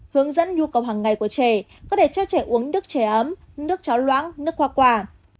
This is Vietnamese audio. hướng dẫn nhu cầu hàng ngày của trẻ có thể cho trẻ uống nước trẻ ấm nước cháo loãng nước hoa quả